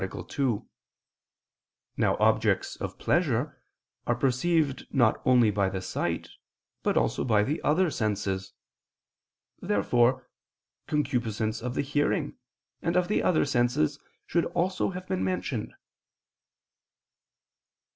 2). Now objects of pleasure are perceived not only by the sight, but also by the other senses. Therefore "concupiscence of the hearing" and of the other senses should also have been mentioned.